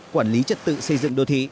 quản lý trật tự xây dựng đô thị